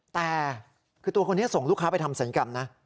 แต่คือตัวคนนี้ส่งลูกค้าไปทำศัลยกรรมนะ